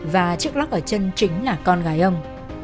và chiếc lắc ở chân chính là con gái ông